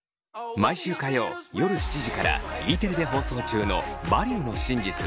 毎週火曜夜７時からＥテレで放送中の「バリューの真実」。